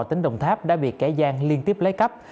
tỉnh đồng tháp đã bị kẻ gian liên tiếp lấy cắp